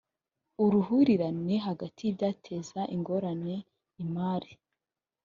uruhurirane hagati y ibyateza ingorane imari